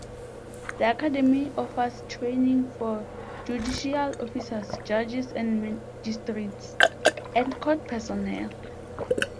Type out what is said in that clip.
The academy offers training for Judicial Officers (Judges and Magistrates) and court personnel.